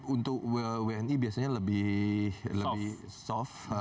untuk wni biasanya lebih soft